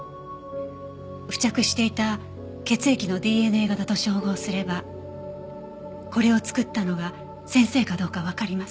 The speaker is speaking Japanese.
付着していた血液のＤＮＡ型と照合すればこれを作ったのが先生かどうかわかります。